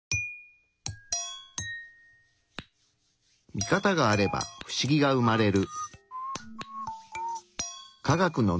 ミカタがあればフシギが生まれる。